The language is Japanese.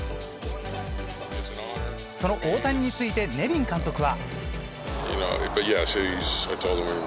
その大谷についてネビン監督は。